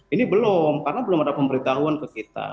ini belum karena belum ada pemberitahuan ke kita